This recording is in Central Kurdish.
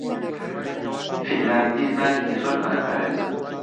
فینلاندی زمانێکی زۆر کۆنەپارێزە.